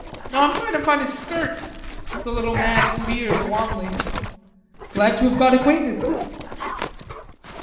"No, I'm trying to find a skirt." The little man leered wanly. "Glad to have got ackwainted."